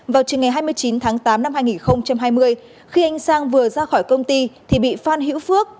vào trường ngày hai mươi chín tháng tám năm hai nghìn hai mươi khi anh sang vừa ra khỏi công ty thì bị phan hữu phước